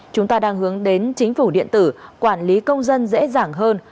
chúng ta đang hướng đến chính phủ điện tử quản lý công dân dễ dàng hơn